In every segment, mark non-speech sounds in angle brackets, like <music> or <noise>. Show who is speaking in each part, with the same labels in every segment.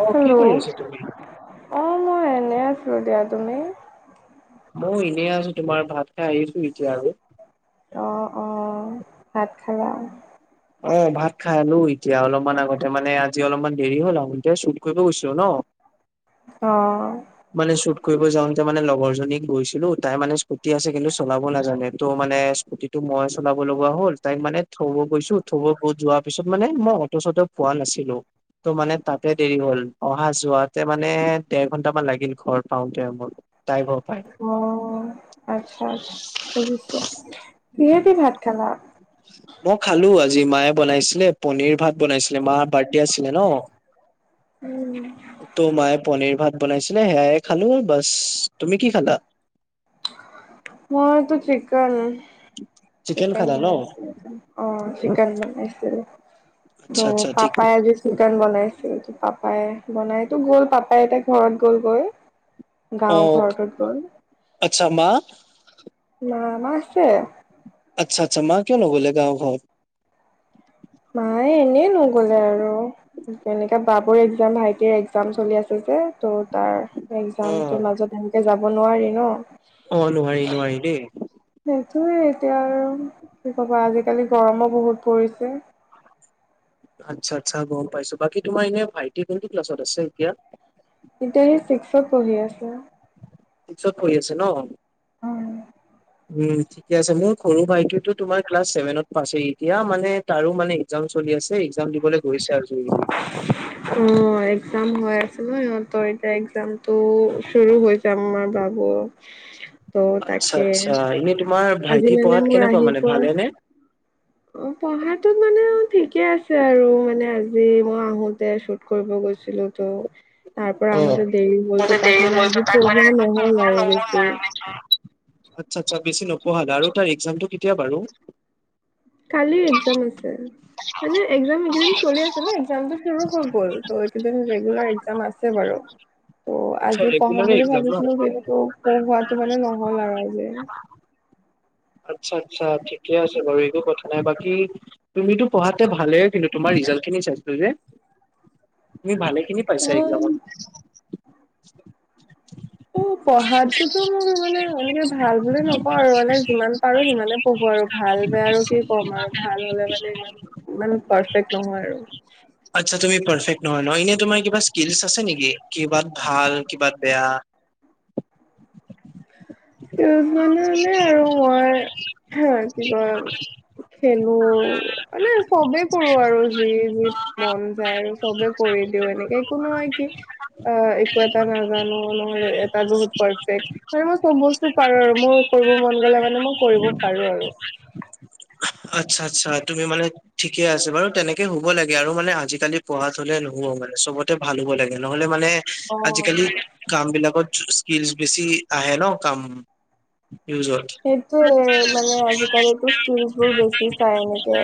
Speaker 1: অ কি কৰি আছা তুমি
Speaker 2: অঁ মই এনেই আছো দিয়া তুমি
Speaker 1: মও এনেই আছো তোমাৰ ভাত খাই আহিছো এতিয়া আৰু
Speaker 2: অ অ ভাত খালা
Speaker 1: অ ভাত খালো এতিয়া অলপমান আগতে মানে আজি অলপমান দেৰি হল আহোতে শ্বুট কৰিব গৈছো ন <inaudible>
Speaker 2: অঁ
Speaker 1: মানে শ্বুত কৰিব যাওঁতে মানে লগৰ জনীক গৈছিলো তাই মানে স্কুটি আছে কিন্তু চলাব নাজানে ত মানে স্কুটিটো মই চলাব লগোৱা হ'ল তাইক মানে থব গৈছো থব ব যোৱাৰ পিছত মানে মই অটো চটো পোৱা নাছিলো ত' মানে তাতে দেৰি হল অহা যোৱাতে মানে দেৰ ঘন্টামান লাগিল ঘৰ পাওঁতে মোৰ তাই ঘ পায়
Speaker 2: আছা আাছো সহিছে কিহে দি ভাত খালা
Speaker 1: মই খালো আজি মায়ে বনাইছিলে পনিৰ ভাত বনাইছিলে মা বাৰ্ডদে আছিলে ন
Speaker 2: উম,
Speaker 1: তো মায়ে পনিৰ ভাত বনাইছিলে সেয়ায়ে খালো বাচ তুমি কি খালা
Speaker 2: মইতো চিকেন চিকেন
Speaker 1: খালা ন
Speaker 2: বনাইছিলে অ চিকেন বনাইছিলো ত
Speaker 1: আচ্ছা আচ্ছা ঠিক
Speaker 2: পাপাই আজি চিকন বনাইছিল পাপাই বনাই তো গ'ল পাপাই এতিয়া ঘৰত গ'ল গৈ গাঁও
Speaker 1: অঁ
Speaker 2: ঘৰটোত
Speaker 1: আচ্ছা মা
Speaker 2: মা মা আছে
Speaker 1: আচ্ছা আচ্ছা মা কিয় নগলে গাৱ ঘত
Speaker 2: মায়ে এনেই নগলে আৰু তেনেকা বাবুৰ এক্জাম ভাইটিৰ এক্জাম চলি আছে যে ত' তাৰ
Speaker 1: অ
Speaker 2: এক্জামটোৰ মাজত এনেকে যাব নোৱাৰি ন'।
Speaker 1: অ', নোৱাৰি নোৱাৰি দেই।
Speaker 2: সেইটোৱে এতিয়া আৰু কি ক'বা আজিকালি গৰমো বহুত পৰিছে।
Speaker 1: আচ্ছা আচ্ছা গম পাইছো বাকী তোমাৰ এনে ভাইটি কোনটো ক্লাছত আছে এতিয়া?
Speaker 2: এতিয়া সি ছিক্সত পঢ়ি আছে
Speaker 1: ছিক্সত পঢ়ি আছে ন
Speaker 2: অ
Speaker 1: উম ঠিকে আছে মোৰ সৰু ভাইটিটো তোমাৰ ক্লাছ ছেভেনত পাইছে এতিয়া মানে তাৰো মানে একজাম চলি আছে এক্জাম দিবলৈ গৈছে আৰু যোজো
Speaker 2: অ এক্জাম হৈ আছে ন সিহঁতৰ এতিয়া এক্জামটো চুৰু হৈ যাম মাৰ বাবু ত'
Speaker 1: আত্ছা
Speaker 2: তাকে
Speaker 1: আচ্ছা এনে তোমাৰ
Speaker 2: আজি
Speaker 1: ভাইটি
Speaker 2: মানে
Speaker 1: পঢ়াত
Speaker 2: মোৰ
Speaker 1: কেনেকুৱা
Speaker 2: আহি
Speaker 1: মানে
Speaker 2: পোৱা
Speaker 1: ভালে নে
Speaker 2: অ', পঢ়াটো মানে আও ঠিকে আছে আৰু মানে আজি মই আহোতে সি কৰিব গৈছিলো তো তাৰ পৰা আহোঁতে দেৰি হ'ল তো তাক মানে আজি পঢ়োৱা নহল আৰু বেছি।
Speaker 1: আচ্ছা আচ্ছা বেছি নপঢ়ালা আৰু তাৰ একজামটো কেতিয়া বাৰু?
Speaker 2: কালি এক্জাম আছে মানে এক্জাম এইকেদিন চলি আছে মানে একজামটো চুৰু হৈ গ'ল ত এইকেইদিন ৰেগুলাৰ এক্জাম আছে বাৰু। অঁ',
Speaker 1: আচ্ছা
Speaker 2: আজি পঢ়াম
Speaker 1: ৰেগুলাৰে
Speaker 2: বুলি
Speaker 1: এক্সাম ন?
Speaker 2: ভাবিছিলো কিন্তু পঢ়োৱাটো মানে নহল আৰু আজি।
Speaker 1: আচ্ছা আচ্ছা ঠিকে আছে বাৰু একো কথা নাই বাকী তুমিটো পঢ়াতে ভালেই কিন্তু তুমাৰ ৰিজাল্ট খিনি চাইছো যে, তুমি ভালেই খিনি পাইছা একজামত।
Speaker 2: অ' উম পঢ়াতটোতো মোৰ মানে এনেকে ভাল বুলি নকওঁ আৰু মানে যিমান পাৰো সিমানে পঢ়ো আৰু ভাল বেয়া আৰু কি ক'ম আৰু ভাল হলে মানে ইমান ইমান পাৰফেক্ট নহয় আৰু।
Speaker 1: আচ্ছা তুমি পাৰফেক্ট নহয় ন, এনেই তোমাৰ কিবা স্কিলছ আছে নেকি কিবাত ভাল কিবা বেয়া? <inaudible>
Speaker 2: স্কিলছ মানে আৰু মই কি কয় খেলো মানে সবেই কৰো আৰু যি যি মন যায় আৰু চবে কৰি দিও এনেকে একো নহয় কি অ', একো এটা নাজানো নহলে এটাত বহুত পাৰফেক্ট মানে মই চব বস্তু পাৰো আৰু মোৰ কৰিব মন গ'লে মানে মই কৰিব পাৰো আৰু।
Speaker 1: আচ্ছা আচ্ছা তুমি মানে ঠিকে আছে বাৰু তেনেকে হ'ব লাগে আৰু মানে আজিকালি পঢ়াত হলে নহব মানে চবতে ভাল হ'ব লাগে নহলে মানে আজিকালি
Speaker 2: অ
Speaker 1: কাম বিলাকত স্কিলচ বেছি আহে ন কাম ইউজত।
Speaker 2: সেইটোৱে মানে আজিকালিটো স্কিলচ বোৰ বেছি চাই এনেকে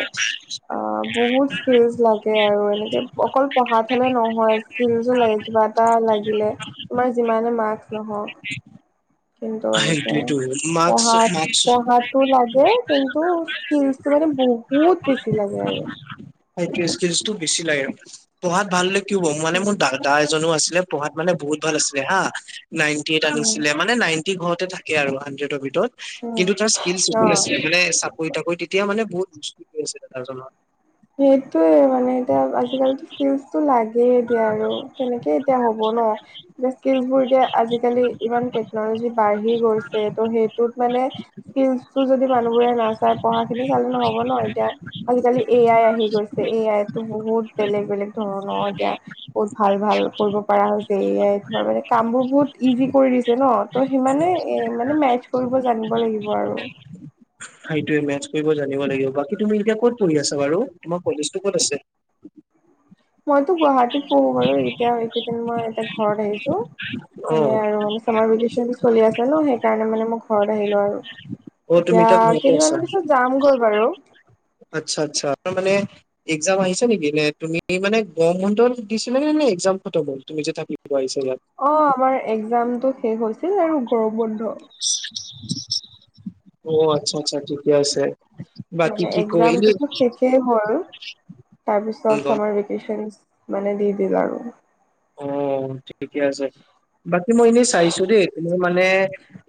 Speaker 2: অ', বহুত স্কিল লাগ আৰু এনেকে অকল পঢ়াত হ'লে নহয় স্কিলছো লাগে কিবা এটা লাগিলে। তোমাৰ যিমানে মাৰ্ক্স নহওক। কিন্তু এনেকে
Speaker 1: সেইটোৱেটো মাৰ্কচ
Speaker 2: পঢ়াত
Speaker 1: মাৰ্কচ
Speaker 2: পঢ়াটো লাগে কিন্তু স্কিলচটো মানে বহুত বহুত বেছি লাগে আৰু।
Speaker 1: সেইটোৱে স্কিলচটো বেছি লাগে, পঢ়াত ভাল হলে কি হব মানে
Speaker 2: উম
Speaker 1: মোৰ দা দা এজনো আছিলে পঢ়াত মানে বহুত ভাল আছিলে হা, নাইনটি এইট
Speaker 2: উম
Speaker 1: আনিছিলে মানে নাই টি ঘৰতে থাকে আৰু হাড্ৰেডৰ ভিতৰত
Speaker 2: উম
Speaker 1: কিন্তু তাৰ স্কিলছ একো
Speaker 2: অ
Speaker 1: নাছিল মানে চাকৰি টাকৰি তেতিয়া মানে বহুত <unintelligible> আছে দাদাজনৰ।
Speaker 2: সেইটোৱে মানে এতিয়া আজিকালিটো স্কিলছটো লাগ এতিয়া আৰু কেনেকে এতিয়া হ'ব ন'। মানে স্কিলচবোৰ এতিয়া আজিকালি ইমান টেকনলজি বাঢ়ি গৈছে ত' সেইটোত মানে স্কিলচটো যদি মানুহবোৰে নাচাই পঢ়া খিনি চালে নহ'ব ন এতিয়া আজিকালি এ আই আহি গৈছে এ আই তো বহুত বেলেগ বেলেগ ধৰণৰ এতিয়া বহুত ভাল ভাল কৰিব পৰা হৈছে এয়াইত, তোমাৰ মানে কামবোৰ বহুত ইজি কৰি দিছে ন। ত' সিমানে এ মানে মেজ কৰিব জানিব লাগিব আৰু।
Speaker 1: সেইটোৱে মেছ কৰিব জানিব লাগিব। বাকী তুমি এতিয়া ক'ত পঢ়ি আছা বাৰু তোমাৰ কলেজটো ক'ত আছে?
Speaker 2: মইতো গুৱাহাটীত পঢ়ো বাৰু এতিয়া এইকেইদিন মই এতিয়া ঘৰত আহিছো।
Speaker 1: অ
Speaker 2: মানে আৰু চামাৰ ভেকেচনটো চলি আছে ন সেইকাৰণে মানে মই ঘৰত আহিলো আৰু।
Speaker 1: অ তুমি
Speaker 2: এতিয়া
Speaker 1: ঘৰতে
Speaker 2: কেইদিন
Speaker 1: আছা
Speaker 2: মানৰ পিছত যাম গৈ বাৰু।
Speaker 1: আচ্ছা আচ্ছা তাৰ মানে এক্জাম আহিছা নেকি নে তুমি মানে গৰম বন্ধ দিছিলে নে নে একজাম খটম হ'ল তুমি যে থাকি
Speaker 2: অ', আমাৰ একজামতটো শেষ হৈছিল আৰু গৰম বন্ধ।
Speaker 1: অ, আচ্ছা আচ্ছা ঠিকে আছে। বাকী
Speaker 2: মানে
Speaker 1: কি কয় এনে
Speaker 2: একজামতো শেষেই হল, তাৰপিছত চামাৰ ভেকেচন। মানে দি দিল আৰু।
Speaker 1: অ', ঠিকে আছে, বাকী মই এনেই চাইছো দেই মোৰ মানে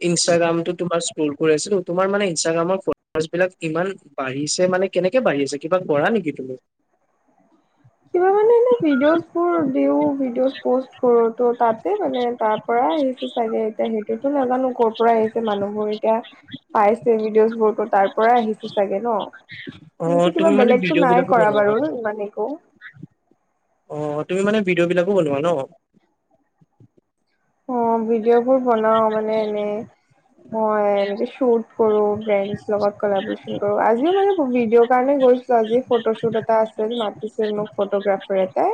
Speaker 1: ইনষ্টাগ্ৰামটো তোমাৰ <inaudible> কৰি আছিলো তোমাৰ মানে ইনষ্টাগ্ৰামৰ ফলোৱাৰ বিলাক ইমান বাঢ়িছে মানে কেনেকে বাঢ়িছে? কিবা কৰা নেকি তুমি? <unintelligible>
Speaker 2: কিবা মানে এনে <unintelligible> ভিডিঅ'জবোৰ দিওঁ, ভিডিঅ'জ প'ষ্ট কৰো ত তাতে মানে তাৰ পৰা আহিছে। <inaudible> চাগে এতিয়া সেইটোতো নাজানো ক'ৰ পৰা আহিছে মানুহবোৰ এতিয়া <unintelligible> পাইছে ভিডিঅ'ছবোৰ তাৰ পৰা আহিছে চাগে ন। <unintelligible>
Speaker 1: অ
Speaker 2: এনেকে
Speaker 1: তুমি
Speaker 2: কিবা
Speaker 1: মানে
Speaker 2: বেলেগটো
Speaker 1: ভিডিঅ'
Speaker 2: নাই
Speaker 1: বিলাকো
Speaker 2: কৰা
Speaker 1: বনোৱা
Speaker 2: বাৰু
Speaker 1: ন?
Speaker 2: ইমান একো। <inaudible>
Speaker 1: অ! তুমি মানে ভিডিঅ' বিলাকো বনোৱা ন? <unintelligible>
Speaker 2: অঁ! ভিডিঅ'বোৰ বনাও মানে এনেই <inaudible> মই এনেকে শুট কৰো, ফ্ৰেড লগত কলাবৰেচন কৰো, আজিও মানে ভিডিঅৰ কাৰণে গৈছ <inaudible> <inaudible> আজি ফটো শুট এটা আছিল মাতিছিল আছিল মোক ফ'টোগ্ৰাফাৰ এটাই।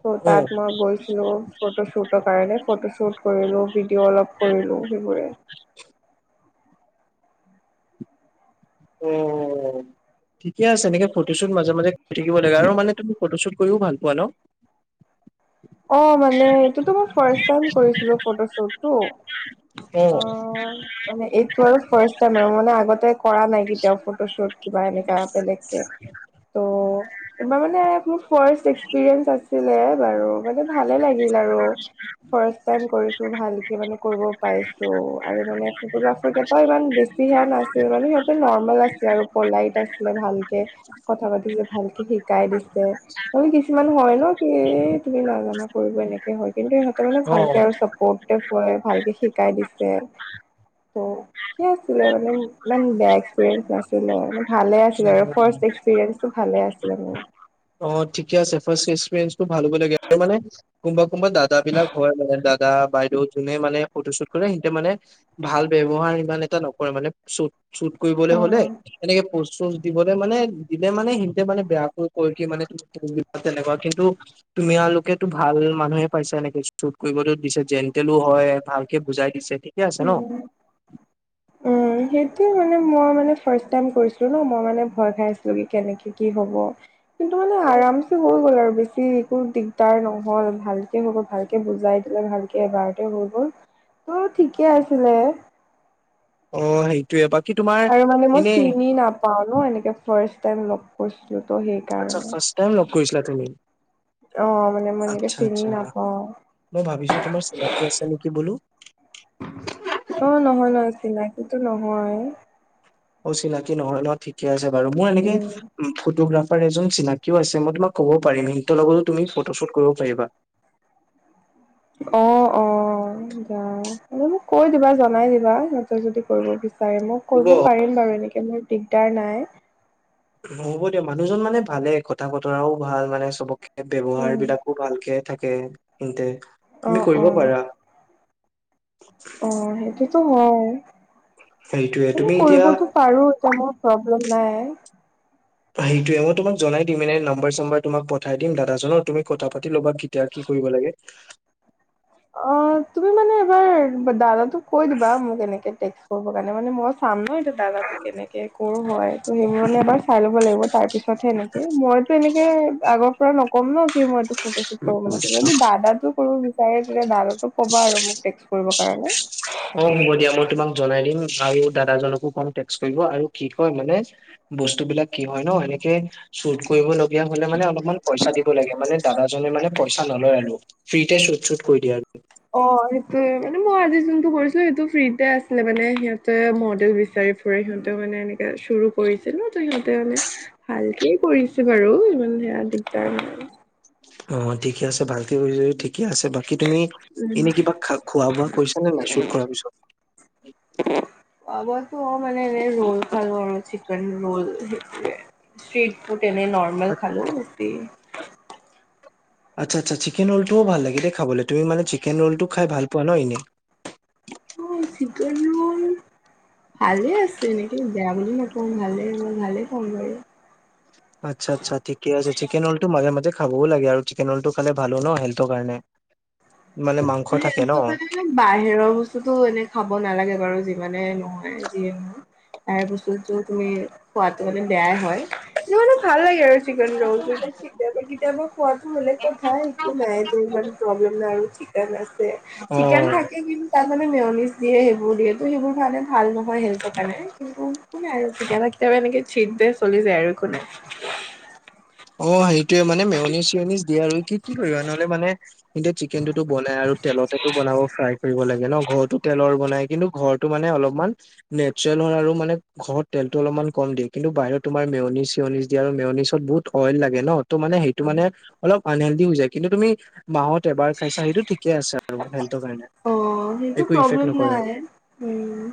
Speaker 2: <inaudible>
Speaker 1: অ'
Speaker 2: তাত মই গৈছিলোঁ। ফটো শ্বুটৰ কাৰণে। ফটো শ্বুট কৰিলোঁ, ভিডিঅ' অলপ কৰিলোঁ সেইবোৰে। <inaudible>
Speaker 1: অঁ ঠিকে আছে এনেকে ফটো শ্বুট মাজে-মাজে থাকিব লাগে আৰু মানে তুমি <unintelligible> ফটো শ্বুট কৰিও ভাল পোৱা ন? <inaudible>
Speaker 2: অঁ! মানে এইটোতো মই ফাৰ্ষ্ট টাইম কৰিছিলো, ফটো শ্বুটটো। <inaudible>
Speaker 1: অ! <inaudible>
Speaker 2: <inaudible> ফাষ্ট টাইম আৰু মানে আগতে কৰা নাই কেতিয়া ফটো শ্বুট কিবা এনেকা বেলেগকে। ত' এইবাৰ মানে মোৰ ফাৰ্ষ্ট এক্সপিৰিয়েঞ্চ আছিলে বাৰু। <inaudible> মানে ভালে লাগিল আৰু। <inaudible> ফাষ্ট টাইম কৰিছো, ভালকে মানে কৰিব পাইছো, আৰু মানে ফটোগ্ৰাফাৰ কেইটাও ইমান বেছি <inaudible> <inaudible> নাছিল মানে সিহঁতে নৰ্মেল আছিলে আৰু পলাইট আছিলে ভালকে। কথা পাতিছে ভালকে, শিকাই দিছে <inaudible> কিছুমান হয় ন কি তুমি নাজানা কৰিব এনেকে হয় কিন্তু সিহঁতে মানে ভালকে আৰু চাপৰ্ট <inaudible> <inaudible> ভালকে শিকাই দিছে। সেইয়াই আছিলে ইমান বেয়া এক্সপিৰিয়েন্স নাছিলে। <inaudible> ভালে আছিলে আৰু
Speaker 1: অ'
Speaker 2: ফাৰ্ষ্ট এক্সপিৰিয়েঞ্চটো ভালে আছিলে মোৰ। <unintelligible>
Speaker 1: অঁ! ঠিকে আছে ফাষ্ট এক্সপিৰিয়েঞ্চটো ভাল হ'ব লাগে। আৰু মানে কোনোবা-কোনোবা দাদা বিলাক হয় মানে <unintelligible> দাদা, বাইদেউ যোনে মানে ফটো শ্বুট কৰে সিহঁতে মানে ভাল ব্যৱহাৰ সিমান এটা নকৰে মানে। <inaudible> শ্বুট-শ্বুট কৰিবলে হলে এনেকে পোচ-চচ দিবলৈ মানে দিলে মানে সিহঁতে মানে বেয়া কৈ <inaudible> কৈ দিয়ে মানে <inaudible> তেনেকুৱা কিন্তু তোমালোকেতো ভাল মানুহে পাইছা এনেকে শ্বুট কৰিবতো দিছে, জেণ্টেলো হয়, ভালকে বুজাই দিছে। <inaudible> ঠিকে আছে ন। <unintelligible> <unintelligible>
Speaker 2: সেইটোৱেই মানে মই মানে ফাৰ্ষ্ট টাইম কৰিছিলো ন। মই মানে ভয় খাই আছিলো কি কেনেকে কি হব। <inaudible> কিন্তু মানে আৰামচে হৈ গ'ল আৰু বেছি <unintelligible> বাকী একো দিগদাৰ নহল, ভালকে হৈ গ'ল, ভালকে বুজাই দিলে, ভালকে এবাৰতে হৈ গ'ল। <inaudible> <unintelligible> তোৰ ঠিকে আছিলে।
Speaker 1: অ! সেইটোৱে বাকী তোমাৰ এনে <inaudible>
Speaker 2: পাওঁ ন এনেকে ফাৰ্ষ্ট টাইম লগ কৰিছিলো ত
Speaker 1: আচ্ছা
Speaker 2: সেইকাৰণে।
Speaker 1: ফাৰ্ষ্ট টাইম লগ কৰিছিলা তুমি
Speaker 2: <inaudible> অ! মানে মই এনেকে
Speaker 1: আচ্ছা
Speaker 2: চিনি
Speaker 1: আচ্ছা
Speaker 2: নাপাওঁ। <unintelligible>
Speaker 1: মই ভাবিছোঁ তোমাৰ চিনাকী আছে নেকি বোলো। <inaudible>
Speaker 2: অ! নহয়-নহয় চিনাকিতো নহয়। <inaudible>
Speaker 1: অচিনাকি নহয় ন ঠিকে আছে বাৰু। মই এনেকে
Speaker 2: উম
Speaker 1: ফটোগ্ৰাফ <inaudible> <inaudible> এজন চিনাকিও আছে মই তোমাক কব পাৰিম। সিহঁতৰ লগতো তুমি ফটো শ্বুট কৰিব পাৰিবা।
Speaker 2: অ অ মোক কৈ দিবা জনাই দিবা সিহঁতৰ যদি কৰিব বিচাৰে মোক
Speaker 1: হ'ব
Speaker 2: কৰিব পাৰিম বাৰু এনেকে মোৰ দিগদাৰ নাই
Speaker 1: হ'ব দিয়া মানুহজন মানে ভালে কথা বতৰাও ভাল মানে চবকে ব্যৱহাৰ
Speaker 2: উম
Speaker 1: বিলাকো ভালকে থাকে তেন্তে
Speaker 2: অ
Speaker 1: তুমি
Speaker 2: অ
Speaker 1: কৰিব পাৰা
Speaker 2: অ সেইটোতো হয়
Speaker 1: সেইটোয়ে তুমি
Speaker 2: মানে
Speaker 1: এতিয়া
Speaker 2: কৰিবতো পাৰো এতিয়া মোৰ প্ৰব্লেম নাই
Speaker 1: সেইটোয়ে মই তোমাক জনাই দিম এনেই নম্বাৰ চম্বাৰ তোমাক পঠাই দিম দাদাজনৰ তুমি কথা পাতি ল'বা এতিয়া কি কৰিব লাগে
Speaker 2: অ তুমি মানে এবাৰ দাদা তোক কৈ দিবা মোক এনেকে কৰিব কাৰণে মানে মই চাম ন এয়া দাদাটো কেনেকে কৰ হয় ত সেইবোৰ মানে এবাৰ চাই ল'ব লাগিব তাৰ পিছত পাছত সেনেকে মইতো এনেকে আগৰ পৰা নক'ম ন কি মই তোক ফটোশ্বুট কৰিব লৈছিলো যদি দাদা তোক বিচাৰে তেতিয়া দাদাটো কবা আৰু মোক টেক্স কৰিবৰ কাৰণে
Speaker 1: অ হ'ব দিয়া মই তোমাক জনাই দিম আৰু দাদাজনকো কম টেক্স কৰিব আৰু কি কয় মানে বস্তু বিলাক কি হয় ন এনেকে চুট কৰিব কৰিব লগীয়া হ'লে মানে অলপমান পইচা দিব লাগে মানে দাদাজনে মানে পইচা নলয় আৰু ফ্ৰিতে শুট চুট কৰি দিয়ে আৰু
Speaker 2: অ সেইটোয়ে মানে মই আজি যোনটো কৰিছিলো সেইটো ফ্ৰীতে আছিলে মানে সিহঁতে মডেল বিচাৰি <inaudible> সিহঁতেও মানে এনেকে চৰু কৰিছিল ন তো সিহঁতে মানে ভালকে কৰিছে বাৰু ইমান সেয়া দিগদাৰ <inaudible>
Speaker 1: অ ঠিকে আছে ভালকে কৰিছে যদি ঠিকে আছে <inaudible> বাকি তুমি
Speaker 2: উম
Speaker 1: এনেই কিবা খ খোৱা বোৱা কৰিছা নে নাই শ্বুট কৰাৰ পিছত
Speaker 2: আাবটো মানে এনে ৰোল খালো আৰু চিকেন ৰোল <inaudible> তেনেই নৰ্মেল খালো ৰুটি
Speaker 1: আচ্ছাচ্ছা চিকেন ৰলটো ভাল লাগে দে খাবলৈ তুমি মান চিকেন ৰলটো খাই ভাল পোৱা ন এনে
Speaker 2: অ চিকেন ৰল ভালে আছে নেকি বেয়া বুলি নাপাওঁ ভালেই হ ভালেই পাও বাৰু
Speaker 1: আচ্ছা আচ্ছা ঠিকে আছে চিকেন ৰল টো মাজে মাজে খাবও লাগে আৰু চিকেন ৰলটো খালে ভালো ন হেলথ ৰ কাৰণে <unintelligible> থাকে ন
Speaker 2: মকে প <inaudible> বাহিৰৰ বস্তুতো এনে খাব নালাগে বাৰু যিমানে নহয় যিয়ে নহয় তাৰ পাছত যে তুমি খোৱাটো মানে বেয়াই হয় কিন্ত মানে ভাল লাগে আৰু চিকেন ৰল টো কেতিয়াবা কেতিয়াবা খোৱাটো বেলেক কথা একো নাই যে ইমান প্ৰব্লেম ন আৰু চিকেন আছে চিকেন
Speaker 1: অ
Speaker 2: থাকে কিন্তু তাত মানে মেয়নিছ দিয়ে সেইবোৰ দিয়ে তো সেইবোৰ কাৰণে ভাল নহয় হেলথৰ কাৰণে কিন্তু কেতিয়াবা কেতিয়াবা এনেকে চিট যে চলি যায় আৰু একো নাই
Speaker 1: অ সেইটোৱে মানে মেওনি চিউনি দিয়া আৰু কি কি কৰিবা নহ'লে মানে এতিয়া চিকেন টোতো বনাই আৰু তেলতেটো বনাব ফ্ৰাই কৰিব লাগে ন ঘৰতো তেলৰ বনাই কিন্তু ঘৰতটো মানে অলপমান নেচাৰেল হয় আৰু মানে ঘৰত তেলটো অলপমান কম দিয়ে কিন্তু বাহিৰত তোমাৰ মেওনি চেউনিজ আৰু মেওনিছত বহুত অইল লাগে ন ত' মানে সেইটো মানে অলপ আনহেল্ডি হৈ যায় কিন্তু তুমি মাহত এবাৰ খাইছা সেইটো ঠিক ঠিকে আছে আৰু হেলথৰ কাৰনে
Speaker 2: অ' সেইটো
Speaker 1: একো ইফেক্ট
Speaker 2: প্ৰব্লেম
Speaker 1: নকৰে
Speaker 2: নাই উম।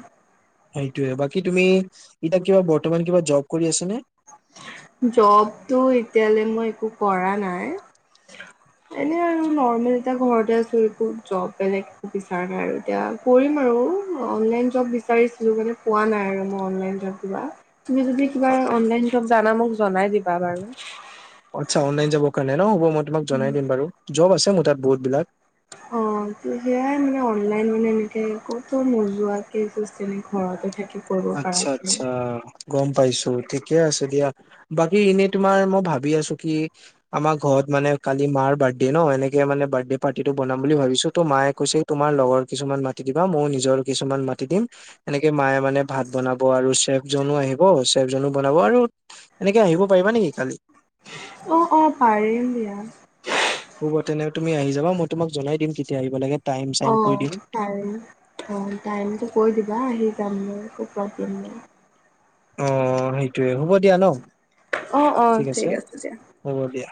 Speaker 1: সেইটোয়ে বাকী তুমি এতিয়া কিবা বৰ্তমান কিবা জব কৰি আচা নে
Speaker 2: জবটো এতিয়ালে মই একো কৰা নাই
Speaker 1: <inaudible>
Speaker 2: এনে আৰু নৰ্মেল এতিয়া ঘৰতে আছোঁ। একো জব বেলেগ বিচৰা নাই আৰু এতিয়া কৰিম আৰু অনলাইন জব বিচাৰিছিলো মানে পোৱা নাই আৰু মই অনলাইন জব কিবা। তুমি যদি কিবা অনলাইন জব জানা মোক জনাই দিবা বাৰু।
Speaker 1: আচ্ছা অনলাইন যাব কাৰণে ন? হ'ব মই তোমাক জনাই দিম বাৰু। জব আছে মোৰ তাত বহুত বিলাক।
Speaker 2: অ সেয়াই মানে অনলাইন মানে এনেকে ক'তো নোজোৱাকে যেনে ঘৰতে থাকি কৰিব পৰা।
Speaker 1: অ গম পাইছো ঠিকে আছে দিয়া। বাকী এনেই তোমাৰ মই ভাবি আছো কি আমাৰ ঘৰত মানে কালি মাৰ বাৰ্থডে ন? এনেকে মানে বাৰ্থডে পাৰ্টিটো বনাম বুলি ভাবিছো ত' মায়ে কৈছে তোমাৰ লগৰ কিছুমান মাতি দিবা, মইও নিজৰ কিছুমান মাতি দিম এনেকে মায়ে মানে ভাত বনাব আৰু চেফ জনো আহিব, চেফ জনো বনাব আৰু এনেকে আহিব পাৰিবা নেকি কালি?
Speaker 2: অ অ পাৰিম দিয়া।
Speaker 1: হ'ব তেনে তুমি আহি যাবা মই তোমাক জনাই দিম কেতিয়া আহিব লাগে। টাইম চাইম
Speaker 2: অঁ
Speaker 1: কৈ দিম
Speaker 2: পাৰি অঁ টাইমটো কৈ দিবা আহি যাম মই একো প্ৰবলেম নাই।
Speaker 1: অ সেইটোৱে হ'ব দিয়া ন?
Speaker 2: অ অ ঠিক আছে দিয়া।
Speaker 1: হ'ব দিয়া।